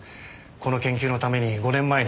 この研究のために５年前に招かれて。